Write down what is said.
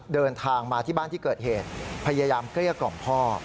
เดินทางมาที่บ้านที่เกิดเหตุพยายามเกลี้ยกล่อมพ่อ